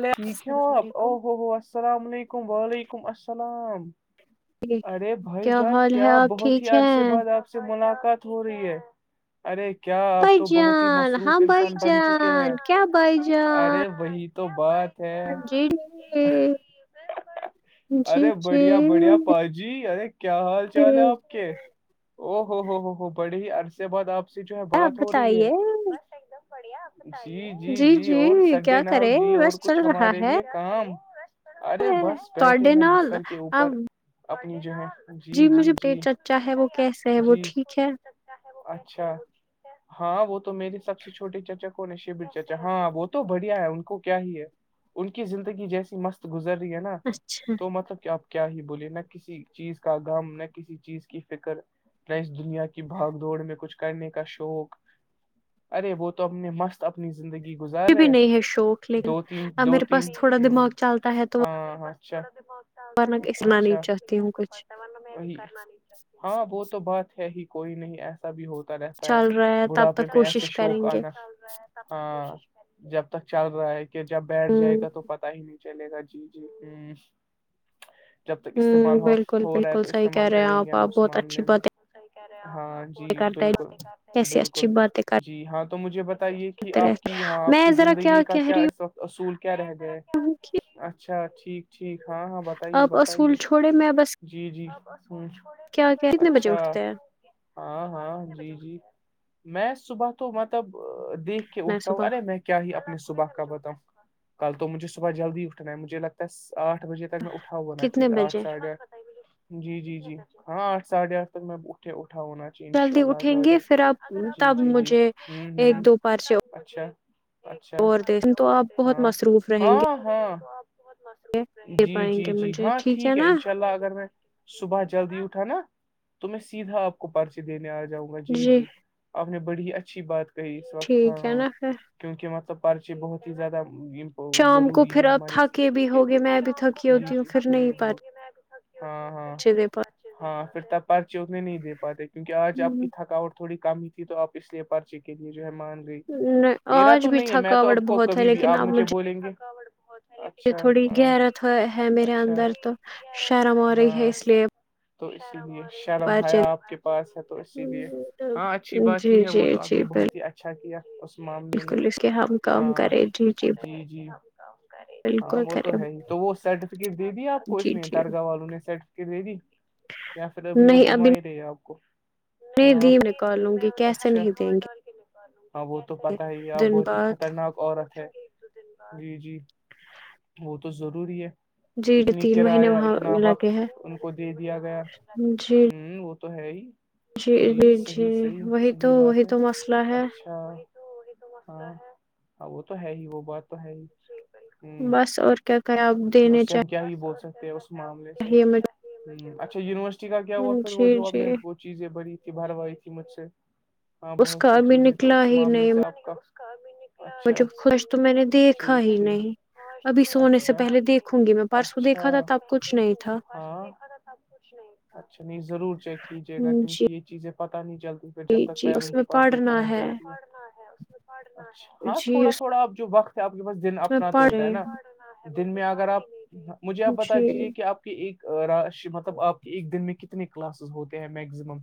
ل یکاں السلام علیکم اوہو ہوو السلام علیکم و علیکم السلام ارے بھائی کیا جان حال ہے کیا آپ بہت ٹھیک ہی عرصے ہیں بعد آپ سے ملاقات ہو رہی ہے ارے کیا آپ بھائی تو بہت ہی جان ہاں مصروف بھائی انسان بن چکے ہے جان کیا بھائی ارے وہی تو بعد ہاں جی جی جی جی ح جی ارے کیا حال چال ہے آپ کے او ہو ہو ہو ہو بڑی ہی عرصے بات آپ جو ہے آپ بات ہو رہی ہے بتائیے بس ایک دم بڑھیا جی جی جی اور کیا سڈے کرے نال جی اور بس چل کچھ رہا ہمارے ہے لیے کام ارے بس بیٹھے تڈے ہیں نال بستر کے اوپر اب اپنی جو ہے جی آپ مجھے پیٹ چچا مجھے ہے وہ بتائیے، آپ کی کیسے سب ہے سے وہ جی ٹھیک ہے چھوٹی چچا اچھا ہاں وہ تو میرے سب سے چھوٹے چچا کو شبر چچا ہاں وہ تو بڑھیا ہے ان کو کیا ہی ہے ان کی زندگی جیسی مست گزر رہی ہے نا اچھا تو مطلب کہ آپ کیا ہی بولیے ن کسی چیز کا غم نہ کسی چیز کی فکر نہ اس دنیا کی بھاگ دوڑ میں کچھ کرنے کا شوق ارے وہ تو اپنے مست اپنی زندگی گزار رہے ل دو تین ا دو میرے پاس تین تھوڑا ہوں، دماغ چلتا ہے تو [inaudible] پنگ ا اسلانی چت ہاں وہ تو بات ہے ہی کوئی نہیں ایسا ایسا بھی ہوتا رہتا ہے چل رہا تب بڑھاپے تک میں ایسے کوشش کریں شوق گے آنا ہاں جب تک چل رہا ہے کہ جب بیٹھ ہ جائے گا تو پتا ہی نہیں چلے گا جی جی ہ جب تک ہوں استعمال ہو بالکل ہو رہا ہے بالکل تو صحیح کہہ استعمال رہے ہیں کریں گے آپ ہم آپ اس بہت اچھی معاملے میں باتیں ہاں جی کرتے ہیں بالکل کیسی بالکل اچھی باتیں جی ہاں تو مجھے بتائیے کہ کرتے آپ رہتے کہ ہاں آپ میں کی ذرا زندگی کا کہہ کیا رہی اس وقت اصول کیا رہ گئے ہوں کہ اچھا ٹھیک ٹھیک ہاں ہاں بتائیے بتائیے تھوڑے میں بس جی جی کیا کیا کتنے بجے اچھا اٹھتے ہیں ہاں ہاں جی جی میں صبح تو مطلب دیکھ کہ میں استاؤ صبح اے میں کیا ہی اپنی صبح کا بتاؤں کل تو مجھے صبح جلدی اٹھنا ہے مجھے لگتا ہے آٹھ بجے میں اٹاؤا نا کتنے چیز آٹ بجے جی جی جی ہاں آٹھ ساڑھے آٹھ تک میں اٹھے اٹھا ہونا چاہیے ان شاء جلدی اللہ عز اٹھیں و گے جل۔ پھر آپ جی تب جی جی مجھے ہ ہ ایک دو پار سے اچھا اچھا آپ بہت ہاں مصروف رہیں گے ہاں بہت م دے جی پائیں گے جی جی مجھے ہاںٹیک ٹھیک نا ہے ان شاء اللہ اگر میں صبح جلدی اٹھا نا تو میں سیدھا آپ کو پرچی دینے آ ج جاؤں گا جی جی آپ نے بڑی اچھی بات کہی اس وقت ٹھیک ہے ہاں نا پھر کیونکہ مطلب پرچی بہت ہی زیادہ شام کو ضروری ہے پھر اب ہماری تھکے زندگی بھی کے ہو گے میں بھی تھکی ہوتی ہوں پھر نہیں پاری ہاں ہاں ہاں پھر ت پرچے اتنے نہیں دے پاتے کیونکہ آج آپ کی ہوں تھکاوٹ تھوڑی کم ہی تھی تو آپ اس لیے پرچے کے لیے جو ہے مان میرا آج تو بھی نہیں ہے میں تو تھکاوٹ اب کو کبھی بھی آپ مجھے بولیں گے یہ اچھا تھوڑی ہاں گیرت ہے میرے اچھا اندر تو شرم ہو رہی ہے ہاں اس لیے تو اسی لیے شرم پرچے ہیا آپ کے پاس ہے تو اسی لیے ہاں اچھی بات جی ہی ہے جی وہ تو اپ جی نے بہت ہی ا اچھا کیا اس معاملے میں بالکل اس کے ہم کام ہاں کریں جی جی جی ہاں بالکل وہ کریں تو ہے ہی تو وہ سرٹیفکیٹ دے دے آپ کچھ جی نہیں جی دارگاہ والوں نے سیٹ کے دے دی یا پھر ابھی وہ گھما ہی رہے آپ کو ہاں نہیںیدھی نکالوں گی کیسے نہیں دیں گے ہاں وہ تو پتہ ہی آپ دن بہت ہی بعد خطرناک عورت ہے جی جی وہ تو ضروری ہے جی ڈی تین م یا اتنا وقت ان کو دے دیا گیا جی ہ وہ تو ہے ہی جی جی جی وہی تو وہی تو مسئلہ ہے ا ہاں ہاں وہ تو ہے ہی وہ بات تو ہے ہی ہ بس اور کیا کریں آپ اس سے ہم کیا یہ بول سکتے ہیں اس معاملے ہمج ی اچھا یونیورسٹی کا کیا ہوا پھر وہ جی جو آپ نے جی چیزیں بڑی تھی بھروائی تھی مجھ سے ہاں اس بہت کا سی ابھی چیزیں تو نکلا اس معاملے سے آپ کا ک بھی نہیں م جب خوش تو میں نے دیکھا ہی نہیں ابھی سونے سے پہلے دیکھوں گی میں پرارسو دیک دیکھا تھا تب کچھ نہیں تھا اچھا نہیں ضرور چیک کیجے گا کیونکہ یہ چیزیں پت نہیں جلدی جب جی تک جی اس پیروں میں کے پاس بھی پڑھنا پہنچ ہے جاتی ہوں اچ ہاں جی تھوڑا اس تھوڑا اب جو وقت آپ کے پاس دن میں اپنا تو ہوتا پڑھے ہے نا دن میں اگر آپ مجھے آپ بتا دیجیے جی کہ آپ ایک راش مطلب آپ کے ایک دن میں کتنے کلاسز ہوتے ہیں میکزمم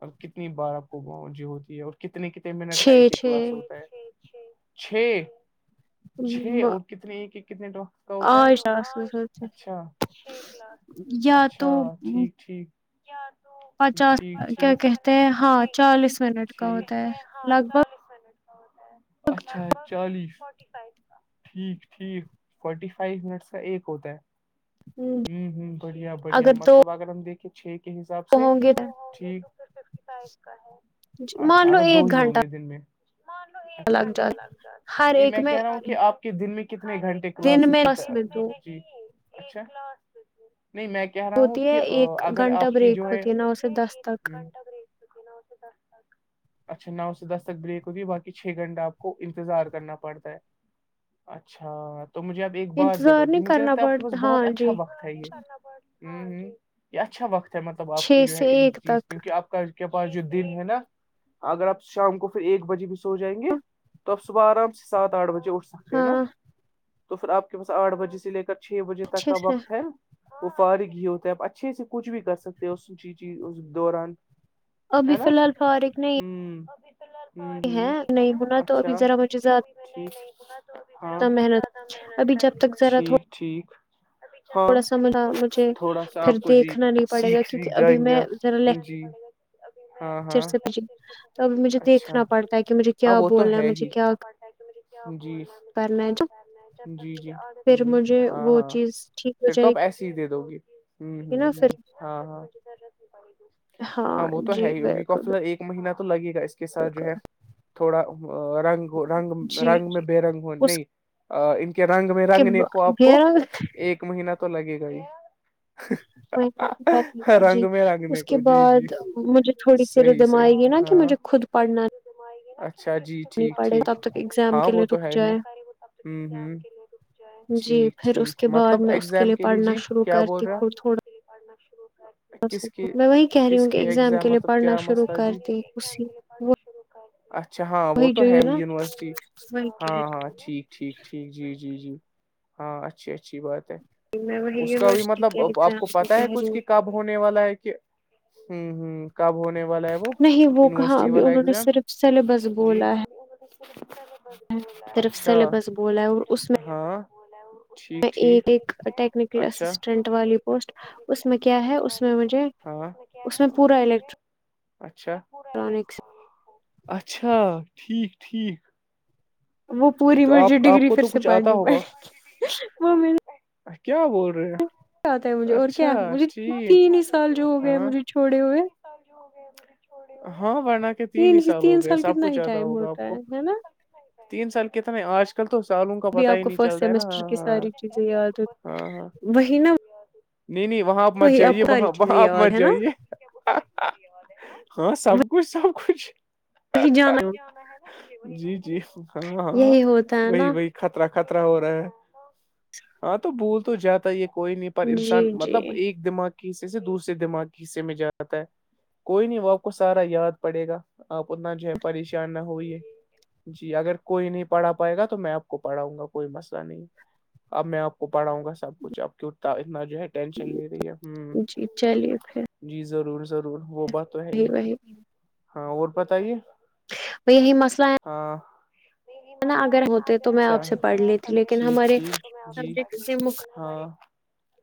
اور کتنی بار آپ کو باؤنڈری ہوتی ہے اور کتنے کتنے منٹ کا چھ ایک ایک چھ کلاس ہوتا ہے چھ چھ اور کتنے کتنے تو آش آ سل اچھا یا اچھا تو ٹھیک ٹھیک پچاس ٹھیک کیا ٹھیک کہتے ہیں ہاں چالیس منٹ کا ہوتا ٹھیک ہے لگ بھگ اچھا چالیس ف فو ٹھیک ٹھیک فورٹی فائیو منٹس کا ایک ہوتا ہے ہوں ہوں بڑھیا بڑھیا مطلب اگر ہم دیکھیں چھ کے حساب سے ہوں گے ٹھیک اچھا مان لو اگر دو ایک ہی ہوں گھنٹہ گے دن میں مان لو ایک گھنٹہ لگ جاتا ہر ہے ایک میں کہہ رہا ہوں کہ آپ دن میں کتنے گھنٹے دن کلاسز میں کی بس میں ط دو جی اچھا نہیں میں کیا ہوتی ہے ایک گھنٹہ بریک ہوتی ہے نو سے دس تک اچھا نو سے دس تک بریک ہوگی باقی چھ گھنٹہ آپ کو انتظار کرنا پڑتا ہے اچھا تو مجھے آپ ایک بات بتا انتظار دیجیے نہیں مجھے کرنا لگتا ہے آپ کے پاس پڑتا ہاں بہت اچھا جی وقت ہے یہ جی ہ ہ یہ اچھا وقت ہے مطلب آپ کی چھ جو ہے سے ان ایک چیز تک کیوںکہ آپ کے پاس جو دن ہے نا اگر آپ شام کو پھر ایک بجے بھی ہو جائیں گے تو آپ صبح آرام سے سات آٹھ بجے اٹھ سکتے ہیں نا ہاں تو پھر آپ کے پاس آٹھ بجے سے لے کر چھ بجے تک اچھے کا سے وقت ہے وہ فارغ ہی ہوتا ہےپ اچھے سے کچھ بھی کر سکتے ہیں اسیز اس دوران ابھی ہے فی نا الحال فارغ نہیں ہوں ہ ہے نہیں ہونا تو ابھی ذرا مجھے زیا ب [unintelligible] ا محنت ابھی جب تک ذرا تھوڑا ٹھیک ٹھیک تھوڑا جب تک سا م مجھے ذرا تھوڑا پھر سمجھ میں دیکھنا تو جائے نہیں تھوڑا سا تھوڑا پڑے گا سیکھنا کیونکہ ہی ابھی پڑے میں گا ذرا ل ابھی میں پچر سے تو اب مجھے لیکچر دیکھنا پڑتا ہے کہ مجھے کیا بولنا ہے مجھے کیا جی کرنا ہے جو جی جی پھر جی مجھے وہ چیز ٹھیک ہو پھر تو جائے اپ ایسیے ہی دے دو گی ہ گی ہ نا ہ پھر ہاں ہاں ہاں وہ تو ہے جی ہی بالکل کاف ایک مہینہ تو لگے گا اس کے ساتھ جو بالکل ہے تھوڑا رنگ ہو رنگ جی رنگ میں جی بے رنگ ہو اس نہیں ان کے رنگ میں رنگنے کو آپ کو پیروں ایک مہین تو لگے گا ہی کوئی ب میں ٹھیک ہے رنگ جی میں رنگنے اس کے کو جی بعد جی مجھے تھوڑی سیر صحیح دم صحیح آئےی نا کہ ہاں مجھے خود پڑھنا اچھا جی ٹھیک پڑے ٹھیک تب تک ایگزام ہاں کے لیے وہ تو رک ہے ہی جائے ہوں ہوں جی ٹھیک پھر اسس کے ٹھیک بعد مطلب میں اس کے ایگزام لی لیے پڑھنا جی شروع کیا بول کرتی رہے تھوڑ تھوڑا آپ کس کی میں وہی کہہ رہی کس ہوں کہ کی ایگزام کے لیے مطلب پڑھنا کیا شروع مسئلہ کر جی دی اسی وہ- اچھا ہاں وہ وہی تو جو ہے ہی نا یونیورسٹی وہی کہہ ہاں رہی ہوں ہاں ٹھیک ٹھیک ٹھیک جی جی جی ہاں اچھی اچھی بات ہے میں وہی اس کا بھی یونیورسٹی کے مطلب آپ ایگزام کو پتا کہہ ہے رہی کچھ ہوں کہ کاپ ہونے والا ہے کہ ہوں ہوں کب ہونے والا ہے وہ نہیں وہ کہاں یونیورسٹی ابھی والا انہوں نے ایگزام صرف سلیبس جی ک بے طرف سلیبس بولا ہے اور اس میں ہاں ٹھیک میں ٹھیک ایک ایک ٹیکنیکل اچھا اسسٹنٹ والی پوسٹ اس میں کیا ہے اس میں مجھے کیا ہے اس میں مجھے اچھا الٹرانکس [unintelligible] اچھا ٹھیک ٹھیک وہ پوری تو مجھے آپ آپ ڈگری کو پھر تو سے کچھ آتا پڑھنی پڑے ہوگا وہ م کیا بول رہے ہیں کیا آتا ہے مجھے اور اچھا کیا مجھے ٹھیک تین ہی سال جو ہو گئے ہاں مجھے چھوڑے ہوئے ہاں بنا تین ہی سال ہو گیا سب کتنا کچھ ہی زیادہ ٹائم ہوگا آپ ہوتا کو ہے نا تین سال کتنے آج کے کل تو سالوں کا ابھی پتا آپ ہی کو نہیں فرسٹ چلتا ہے نا سیمسٹر ہاں کی ہاں ساری چیزیں یاد ہو ہاں ہاں وہی نا نہیں نہیں وہاں آپ مت وہی جائیے کو ساری وہاں چیزیں وہاں آپ یاد مت ہے نا جائیے ہاں سب کچھ سب کچھ صحی جانا [unintelligible] جی جی ہاں ہاں یہی ہوتا ہے وہی نا وہی خطرہ خطرہ ہو رہا ہے ہاں تو بھول تو جاتا یہ کوئی نہیں پر انسان جی مطلب جی ایک دماغ کے حصے سے دوسرے دماغ کے حصے میں جاتا ہے کوئی نہیں وہ آپ کو سارا یاد پڑے گا آپ اتنا جو ہے پریشان نہ ہوئیے جی اگر کوئی نہیں پڑھا پائے گا تو میں آپ کو پڑھاؤں گا کوئی مسئلہ نہیں اب میں آپ کو پڑھاؤں گا سب کچھ اب کی انا اتنا جو ہے ٹینشن لے رہی ہے ہ جی چلیے پھر جی ضرور ضرور وہ بات تو ہے ہی وہی ہاں اور بتائیے بائی یہ مسئ ہے ہاں نہیں، ہے نا اگر ہوتے تو میں اچھا آپ سے پڑھ لیتی لیکن ٹھیک ہمارے ٹھیک جی سبجیکٹ سے ج ہاں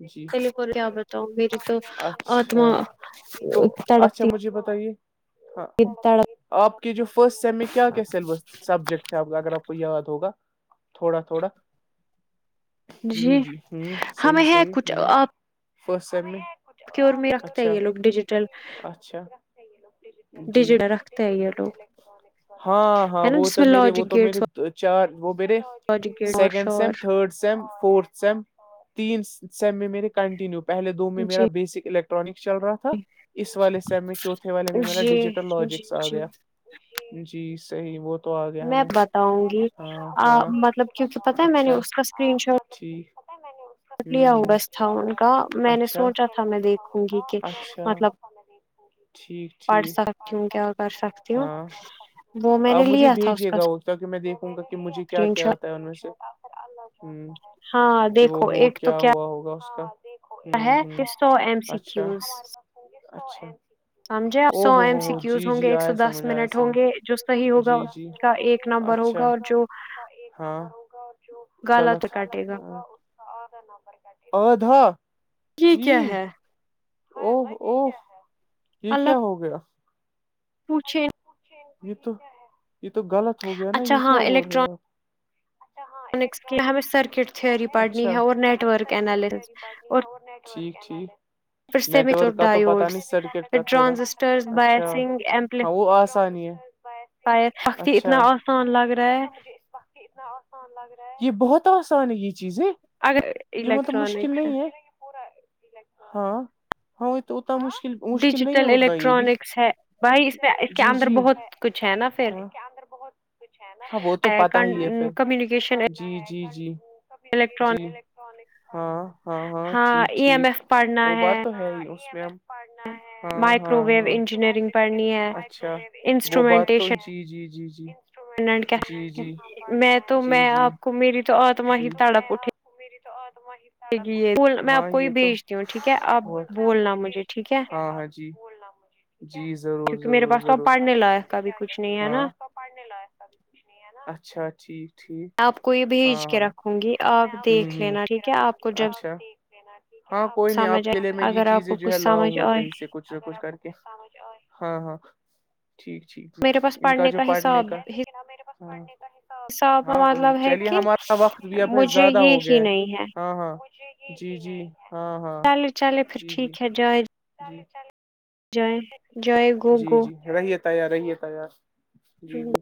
جی [inaudible] کل پر کیا بتاؤ میری تو آتما اچھا تڑپتی ہڑ تڑپ [unintelligible] آپ کے جو فرسٹ سیم میں کیا کیا سلیبس سبجیکٹپ اگر آپ کو یاد ہوگا تھوڑا تھوڑا جی ہمیں ہے کچھ آپ فسٹ سم [unintelligible] کی اورور میں رکھتا ہے یہ لوگ ڈیجیٹل اچھا جی ڈیجیٹل رکھتے ہیں یہ لوگ ہاں ہاں ہے نا وہ جس تو میں میرے وہ لاجک تو میرے گیٹس تو چار وہ بیرے لاجک گیٹ اور سیکنڈ سم شور تھڈ سیم فورتھ سیم تین سیم میں میرے کنٹینیو پہلے دو میں میرا جی بیسک الیکٹر ٹرکس چل رہا تھا اس والے سے میں چوتھے والے میں میرا جی ڈیجیٹل جی لاجکس آ جی گیا جی صحیح وہ تو آ گیا میں ہمیں بتاؤں گی ہاں ہاں مطلب کیوںکہ پتا ہے میں نے اس کا اسکرین شاٹ ٹھیک ہے م [unintelligible] پک لیا ا بس تھا ان کا میں نے جو سوچا تھا میں دیکھوں گی کہ مطلب ٹھیک [unintelligible] پڑھ سکتی ہوں کیا کر سکتی ہوں وہ میں نے مجھے لیا تھا اس بھیجیے کا گا وہ کیکہ میں دیکھوں گا کہ مجھے کیا اسکرین کیا شاٹ آتا ہے ان میں سے ہ ہاں کہ وہ دیکھو ہو کیا ہوا ہوگا اس کا اسسٹو ایم اس سیکوز [inaudible] [unintelligible] سمجھے آپ او سو ہو ایم ہو س ہو کیوز جی ہوں گے جی ایک سو آیا دس سمجھ آیا منٹ ہوں سمجھ گے جو صحیح ہوگا کا ایک نمبر ہوگا اور جو ہاں ہوگا گالا تو کاٹے گا اور د یہ کیا ہے او او یہ اللہ کیا ہو گیا پوچھے یہ تو یہ تو غلط ہو گیا نا اچھا یہ کیا بول رہے ہیں آپ س ہمیں سرکٹ تھیی پڑھنی اچھا ہے اور نیٹ ورک انالس اور ٹھیک ٹھیک پھر سیمیٹر نیٹورک کا تو پتا نہیں ڈائیوڈس سرکٹ پھر کا تھوڑا ٹرانزسٹرز اچھا بائسنگ ہاں وہ آسانی ہے پ سختی اچھا اتنا آسان اللہ لگ رہا ہے یہ بہت آسان ہے یہ چیزیں اگر یہ مطلب مشکل الیکٹرانکس نہیں ہے ہاں ہ تو اتنا مشکل مشکل نہیں ڈیجیٹل ہوتا یہ بھی الیکٹرانکس ہے بھائی اس میں اس کے ج اندر بہت کچھ ہے نا پھر اں وہ تو پتہ ہی ہے پھر کمیونیکیشن جی جی جی الیکٹرانک کی الٹرک ہاں ہاں ہاں ٹھیک ای ایم ایف ٹھیک پڑھنا وہ بات تو ہے ہی اس میں ہم ہاں ہاں مائکرو ویو ہاں انجینئرنگ پڑھنی ہے اچھا گ تو انسٹرومینٹیشن جی جی جی اینڈ کیا جیومٹیش جی جی میں تو میں آپ کو میری تو آتما ہی تڑاپ اٹھے میری تو آتماہ ب میں آپ کو یہ بھیجتی ہوں ٹھیک ہے آپ بولنا مجھے ٹھیک ہے بوللا مجھے جی ضرور کیونکہ میرے پاس تو اب پڑھنے لائق کاب کچھ نہیں ہے نا اچھا ٹھیک ٹھیک آپ کو یہ بھیج ہاں کے ہاں رکھوں گی آپ دیکھ لینا ٹھیک ہے آپ کو جب ہاں کوئی نہیں آپ سمجھ آئے کے لیے میں یہ اگر آپ چیزیں کو جو ہے کچھ سمجھ لاؤں گا آئے کہیں سے کچھ نہ کچھ کر کے ہاں ہاں ٹھیک ٹھیک میرے پاس ان کا پڑھنے جو پارٹ نہیں کر اسب کا مطلب ہے چلیے کہ ہمارا وقت بھی اب مجھے زیادہ ہو یہ ہی گیا نہیں ہے ہاں ہاں جی جی ہاں ہاں چلے چلے پھر ٹھیک ہے جائے چلے چل جائے جائے گو جی گو جی رہیے ت یار رہیے ت یار جی جی